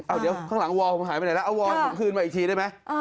เดี๋ยวข้างหลังวอลผมหายไปไหนแล้วเอาวอลผมคืนมาอีกทีได้ไหม